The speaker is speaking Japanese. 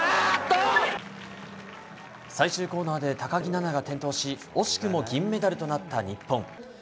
最終コーナーで高木菜那が転倒し惜しくも銀メダルとなった日本。